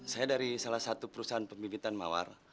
saya dari salah satu perusahaan pembibitan mawar